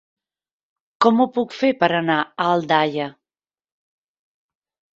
Com ho puc fer per anar a Aldaia?